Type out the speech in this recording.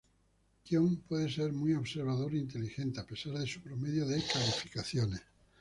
Kyon puede ser muy observador e inteligente, a pesar de su promedio de calificaciones.